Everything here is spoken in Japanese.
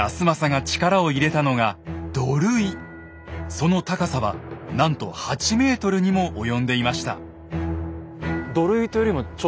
その高さはなんと８ｍにも及んでいました。